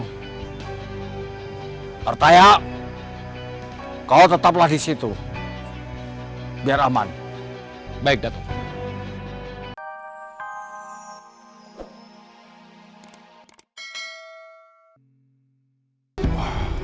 hai pertaya kau tetaplah disitu biar aman baik datang